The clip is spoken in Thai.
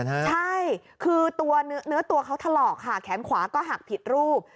ใช่คือตัวเนื้อตัวเขาถลอกค่ะแขนขวาก็หักผิดรูป